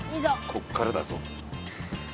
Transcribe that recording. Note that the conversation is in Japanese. こっからだぞ。